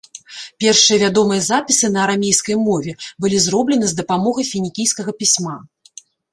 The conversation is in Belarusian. Першыя вядомыя запісы на арамейскай мове былі зроблены з дапамогай фінікійскага пісьма.